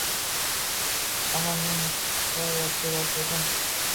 Ammo men nihoyatda yosh edim